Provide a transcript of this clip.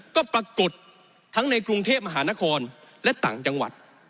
ก็ปรากฏทั้งในกรุงเทพมหานครและต่างจังหวัด